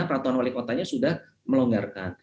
peraturan wali kotanya sudah melonggarkan